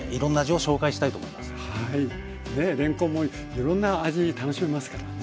ねえれんこんもいろんな味楽しめますからね。